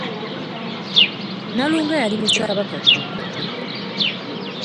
Nalunga yali mukyala wa Ssekabaka Jjuuko.